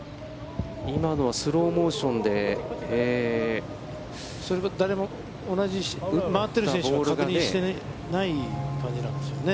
今のはスローモーションで誰も、回ってる選手は確認してない感じなんでしょうね。